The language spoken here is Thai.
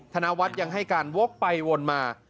ธนวัฒน์ยังให้การวกไปวนมา